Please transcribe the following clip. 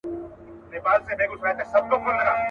چي یې لاره کي پیدا وږی زمری سو.